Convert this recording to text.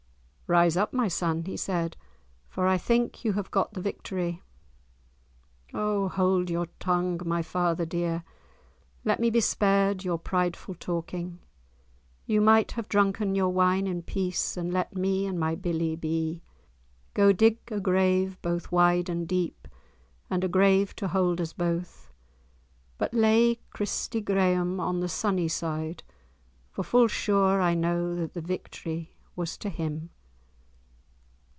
"Rise up, my son," he said, "for I think you have got the victory." "O hold your tongue, my father dear. Let me be spared your prideful talking. You might have drunken your wine in peace, and let me and my billie be! Go dig a grave, both wide and deep, and a grave to hold us both; but lay Christie Graeme on the sunny side, for full sure I know that the victory was to him."